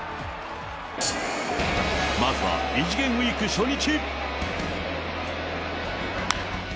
まずは異次元ウイーク初日。